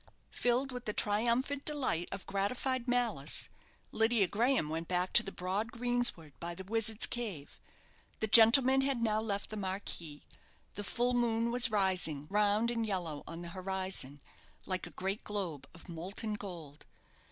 Filled with the triumphant delight of gratified malice, Lydia Graham went back to the broad greensward by the Wizard's Cave. The gentlemen had now left the marquee; the full moon was rising, round and yellow, on the horizon, like a great globe of molten gold.